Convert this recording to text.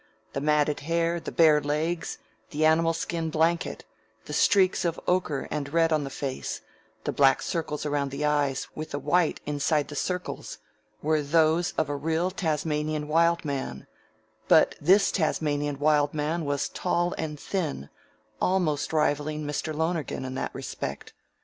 The matted hair, the bare legs, the animal skin blanket, the streaks of ochre and red on the face, the black circles around the eyes with the white inside the circles, were those of a real Tasmanian Wild Man, but this Tasmanian Wild Man was tall and thin, almost rivaling Mr. Lonergan in that respect.